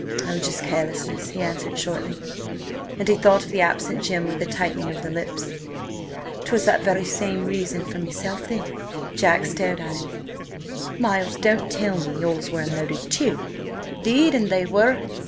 "Oh, just carelessness!" he answered shortly, and he thought of the absent Jim with a tightening of the lips. "'Twas that very same reason with meself thin!" Jack stared at him. "Miles, don't tell me yours were unloaded, too?" "'Deed an' they were!